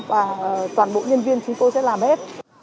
và toàn bộ nhân viên chúng tôi sẽ làm hết